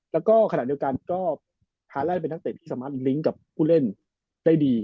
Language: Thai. แล้วก็ขณะเดียวกันก็ฮาแลนดเป็นนักเตะที่สามารถลิงก์กับผู้เล่นได้ดี